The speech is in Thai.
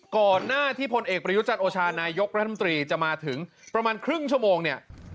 ก่อนหน้าที่พลเอกประยุจันทร์โอชานายกรัฐมนตรีจะมาถึงประมาณครึ่งชั่วโมงเนี่ย